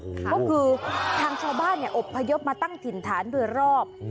โอ้โหคือทางชาวบ้านเนี่ยอบพยพมาตั้งถิ่นฐานเบือรอบ